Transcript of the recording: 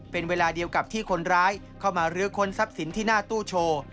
เป็นเวลาเดียวกับที่คนร้ายเข้ามาลื้อค้นทรัพย์สินที่หน้าตู้โชว์